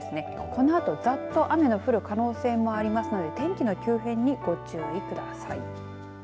このあと、ざっと雨の降る可能性もありますので天気の急変にご注意ください。